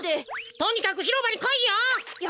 とにかくひろばにこいよ！